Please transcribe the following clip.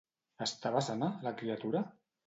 Estava sana, la criatura?